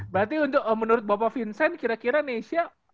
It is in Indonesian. berarti untuk menurut bapak vincent kira kira nesya